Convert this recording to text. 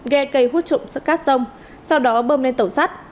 ghe cây hút trụm sắt cát sông sau đó bơm lên tàu sắt